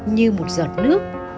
như một giọt nước